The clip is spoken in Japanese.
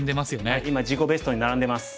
はい今自己ベストに並んでます。